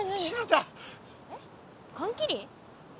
かんきり？